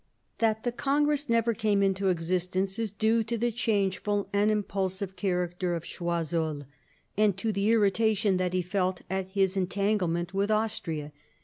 That the congress never came into existence is due to the changeful and impulsive character of Choiseul, and to the irritation that he felt at his entanglement with Austria.